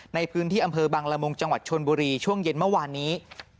ในพื้นที่อำเภอบังละมุงจังหวัดชนบุรีช่วงเย็นเมื่อวานนี้